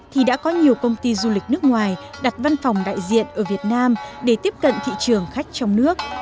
thì đã có nhiều công ty du lịch nước ngoài đặt văn phòng đại diện ở việt nam để tiếp cận thị trường khách trong nước